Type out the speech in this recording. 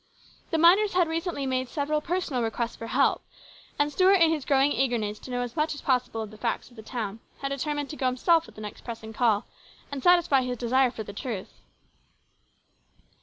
The miners had recently made several personal requests for help, and Stuart in his growing eagerness to know as much as possible of the facts in the town, had determined to go himself at the next pressing call and satisfy his desire for the truth.